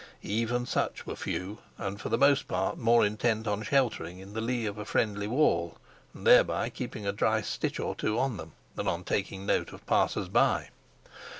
Even such were few, and for the most part more intent on sheltering in the lee of a friendly wall and thereby keeping a dry stitch or two on them than on taking note of passers by.